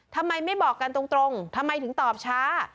ทำไมไม่บอกกันตรงทำไมถึงตอบช้า